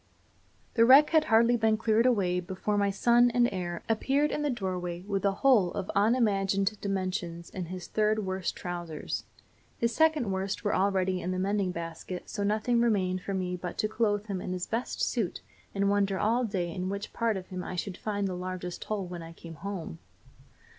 The wreck had hardly been cleared away before my son and heir appeared in the doorway with a hole of unimagined dimensions in his third worst trousers. His second worst were already in the mending basket, so nothing remained for me but to clothe him in his best suit and wonder all day in which part of them I should find the largest hole when I came home.